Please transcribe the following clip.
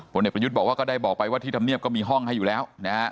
บนเอกประยุทธก็ได้บอกไปว่าที่ทำเนียบก็มีห้องให้อยู่แล้ว